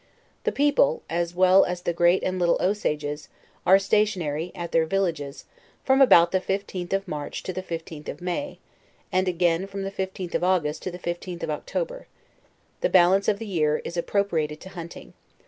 The people, as well as the Great and Little Csa^es, are stationary, at their villages, from about the 15th of March to the 15th of May, and again from the 15th of Au gust to the 15th of October; the Balance of the year is appro priated to hunting.